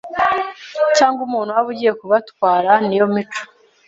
cyangwa umuntu waba ugiye kubatwa niyo mico